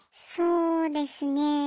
そうですね。